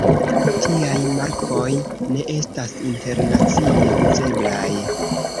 Tiaj markoj ne estas internacie uzeblaj.